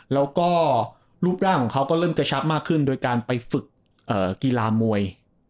แล้วก็รูปร่างของเขาก็เริ่มกระชับมากขึ้นโดยการไปฝึกกีฬามวย